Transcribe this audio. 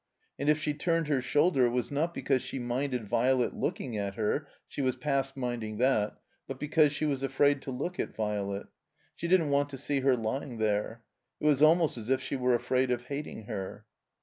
And if she turned her shoulder it was not because she minded Violet looking at her (she was past minding that), but because she was afraid to look at Violet. She didn't want to see her lying there. It was almost as if she were afraid of hating her.